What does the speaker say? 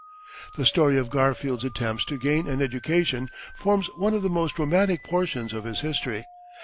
The story of Garfield's attempts to gain an education forms one of the most romantic portions of his history.